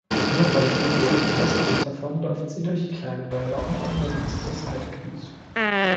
Nur bei Wriedel und östlich davon läuft sie durch kleine Wälder und ungenutztes Heidegebiet.